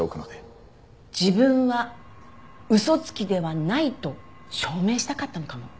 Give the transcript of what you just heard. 自分は嘘つきではないと証明したかったのかも。